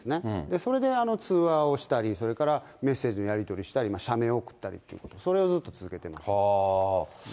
それで通話をしたり、それからメッセージのやり取りをしたり、写メを送ったりと、それをずっと続けてます。